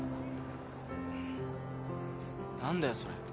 何だよそれ。